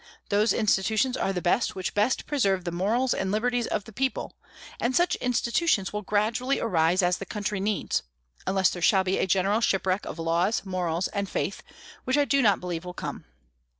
Those institutions are the best which best preserve the morals and liberties of the people; and such institutions will gradually arise as the country needs, unless there shall be a general shipwreck of laws, morals, and faith, which I do not believe will come.